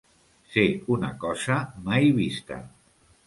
Ser una cosa mai vista.